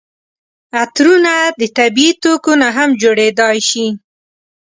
عطرونه د طبیعي توکو نه هم جوړیدای شي.